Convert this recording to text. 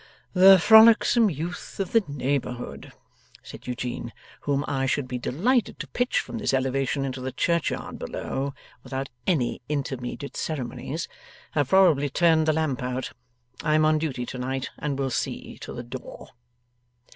'The frolicsome youth of the neighbourhood,' said Eugene, 'whom I should be delighted to pitch from this elevation into the churchyard below, without any intermediate ceremonies, have probably turned the lamp out. I am on duty to night, and will see to the door.